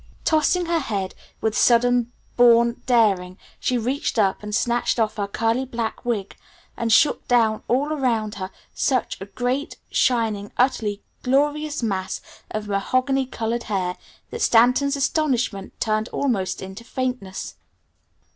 Tossing her head with sudden born daring she reached up and snatched off her curly black wig, and shook down all around her such a great, shining, utterly glorious mass of mahogany colored hair that Stanton's astonishment turned almost into faintness.